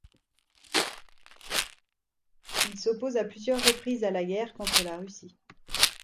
Il s'oppose à plusieurs reprises à la guerre contre la Russie.